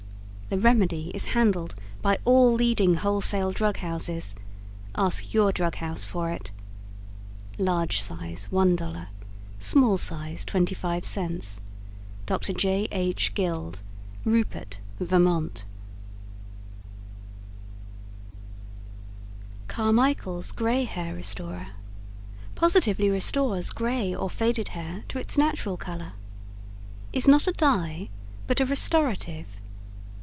The remedy is handled by all leading wholesale drug houses. Ask your drug house for it. LARGE SIZE, $1.00. SMALL SIZE, $0.25. DR. J. H. GUILD; Rupert, Vt. CARMICHAEL'S GRAY HAIR RESTORER Positively Restores Gray or Faded Hair to Its Natural Color Is not a Dye, but a Restorative.